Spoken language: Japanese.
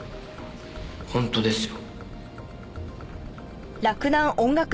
本当ですよ。